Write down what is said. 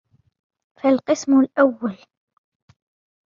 فَالْقِسْمُ الْأَوَّلُ